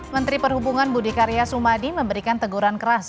menteri perhubungan budi karya sumadi memberikan teguran keras